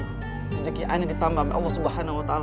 rezeki aneh ditambah oleh allah swt